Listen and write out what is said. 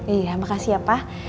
iya makasih ya pak